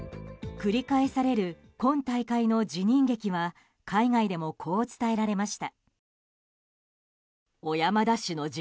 繰り返される今大会の辞任劇は海外でも、こう伝えられました。